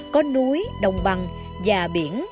có núi đồng bằng và biển